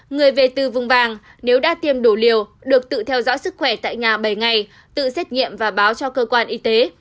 người về từ vùng vàng nếu đã tiêm đủ liều được tự theo dõi sức khỏe tại nhà bảy ngày tự xét nghiệm và báo cho cơ quan y tế